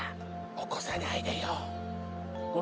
起こさないでよ。